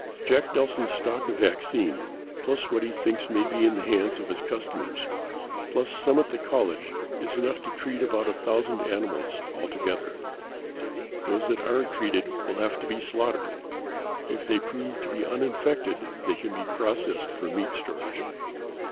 "Jack Nelson's stock of vaccine, plus what he thinks may be in the hands of his customers, plus some at the college is enough to treat about a thousand animals altogether. Those that aren't treated will have to be slaughtered. If they prove to be uninfected they can be processed for meat storage.